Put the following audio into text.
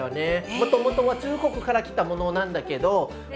もともとは中国から来たものなんだけど。